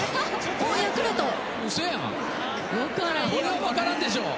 これは分からんでしょ。